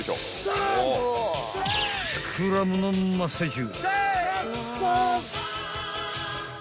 ［スクラムの真っ最中］